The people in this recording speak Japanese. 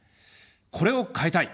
これを変えたい。